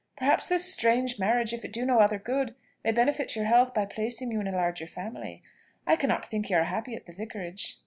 Perhaps this strange marriage, if it do no other good, may benefit your health by placing you in a larger family. I cannot think you are happy at the Vicarage."